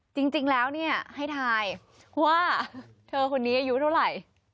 จริงแล้วเนี่ยให้ทายว่าเธอคนนี้อายุเท่าไหร่